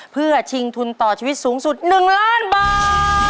เพื่อชิงทุนต่อชีวิตสูงสุด๑ล้านบาท